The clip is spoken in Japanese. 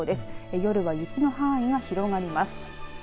夜は雪の範囲が広がります。